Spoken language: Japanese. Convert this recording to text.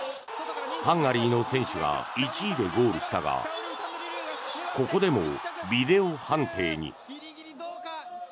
ハンガリーの選手が１位でゴールしたがここでもビデオ判定に。